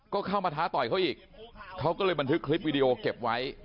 ก็เข้ามาท้าต่อยเขาอีกเขาก็เลยบันทึกคลิปวิดีโอเก็บไว้